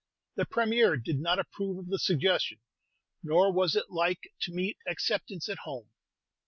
The Premier did not approve of the suggestion, nor was it like to meet acceptance at home.